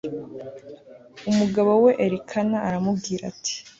umugabo we elikana aramubwira ati